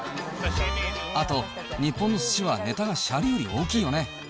あと、日本のすしはネタがシャリより大きいよね。